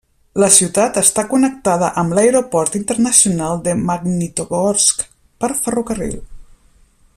La ciutat està connectada amb l'Aeroport Internacional de Magnitogorsk per ferrocarril.